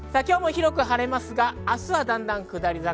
広く晴れますが、明日はだんだん下り坂。